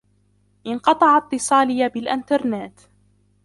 انقطع اتصالي بالإنترنت.